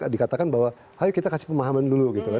dikatakan bahwa ayo kita kasih pemahaman dulu gitu kan